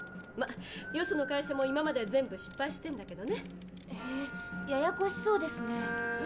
まよその会社も今まで全部失敗してんだけどね。へややこしそうですね。